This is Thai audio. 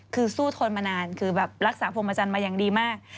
คือสู้ทนมานานคือแบบรักษาพรมอาจารย์มาอย่างดีมาก